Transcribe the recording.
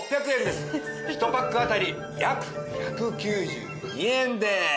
１パックあたり約１９２円です。